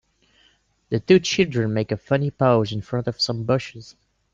The two children make a funny pose in front of some bushes.